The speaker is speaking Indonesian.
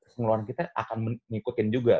pengeluaran kita akan mengikutin juga